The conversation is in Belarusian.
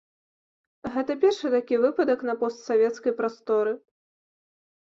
Гэта першы такі выпадак на постсавецкай прасторы.